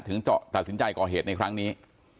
ถึงจะตัดสินได้ก่อเหตุในครั้งนี้